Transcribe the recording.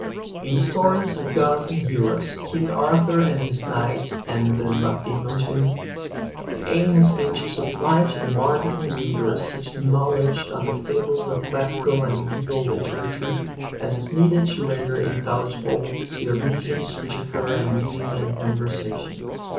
In "Stories of Gods and Heroes," "King Arthur and His Knights" and "The Mabinogeon" the aim has been to supply to the modern reader such knowledge of the fables of classical and mediaeval literature as is needed to render intelligible the allusions which occur in reading and conversation.